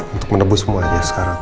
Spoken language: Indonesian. untuk menebus semuanya sekarang